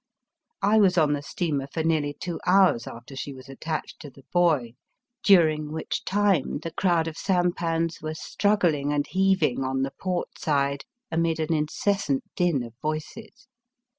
I was on the steamer for nearly two hours after she was attached to the buoy, during which time the crowd of sampans were struggling and heaving on the port side, amid an incessant din of voices.